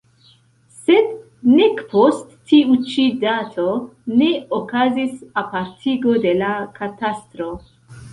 Sed nek post tiu ĉi dato ne okazis apartigo de la katastro.